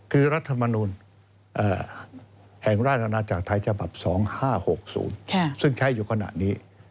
คือรัฐมนูลแห่งราชอาณาจักรไทยฉบับ๒๕๖๐ซึ่งใช้อยู่ขณะนี้